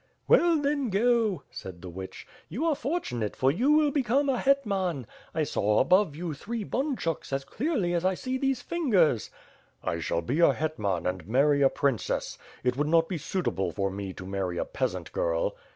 "Well then, go," said the witch. "You are fortunate, for you will become a hetman. I saw above you three bunchuks, as clearly as I see these fingers." "I shall be a hetman and marry a princess! It would not be suitable for me to marry a peasant girl."